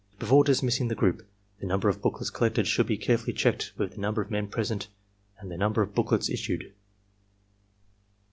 Before dismissing the group, the number of booklets collected should be carefully checked with the number of men present and the number of booklets issued.